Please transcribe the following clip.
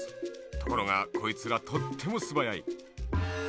ところがこいつがとってもすばやい。